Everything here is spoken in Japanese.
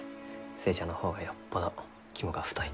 寿恵ちゃんの方がよっぽど肝が太い。